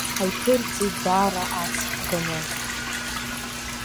Ҳаиԥырҵит даара аҵх ганы.